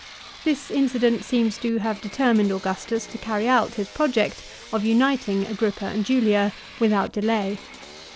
This incident seems to have determined Augustus to carry out his project of uniting Agrippa and Julia without delay.